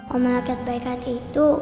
omah rekan baik hati itu